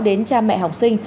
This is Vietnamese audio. đến cha mẹ học sinh